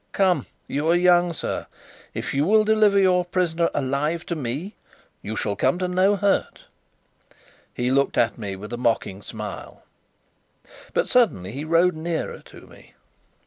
"Come, you are young, sir. If you will deliver your prisoner alive to me, you shall come to no hurt." He looked at me with a mocking smile; but suddenly he rode nearer to me.